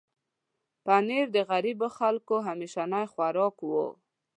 پنېر د غریبو خلکو همیشنی خوراک و.